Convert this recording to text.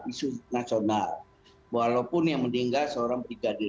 isu nasional walaupun yang meninggal seorang brigadir